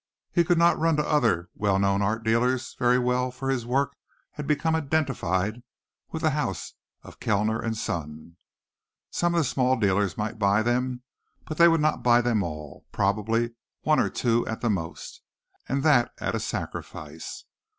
He could not run to other well known art dealers very well for his work had become identified with the house of Kellner and Son. Some of the small dealers might buy them but they would not buy them all probably one or two at the most, and that at a sacrifice.